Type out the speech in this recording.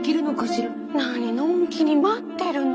何のんきに待ってるの。